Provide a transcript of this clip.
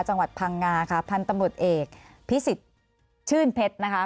จังหวัดพังงาค่ะพันธุ์ตำรวจเอกพิสิทธิ์ชื่นเพชรนะคะ